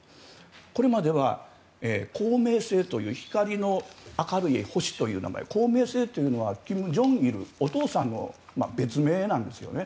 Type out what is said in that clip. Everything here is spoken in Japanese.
これまでは光明星という光の明るい星という名前光明星というのは金正日お父さんの別名なんですよね。